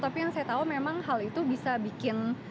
tapi yang saya tahu memang hal itu bisa bikin